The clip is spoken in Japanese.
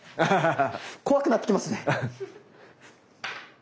怖くなってきますね。